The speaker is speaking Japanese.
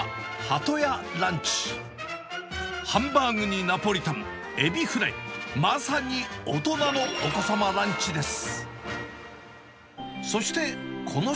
ハンバーグにナポリタン、エビフライ、まさに大人のお子様ランチです。